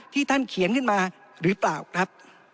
ท่านเขียนขึ้นมาหรือเปล่าครับ